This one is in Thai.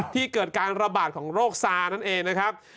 ที่เกิดการระบาดของโรคซานั่นเองนะครับ